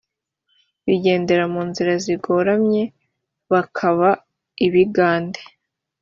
bagendera mu nzira zigoramye bakaba ibigande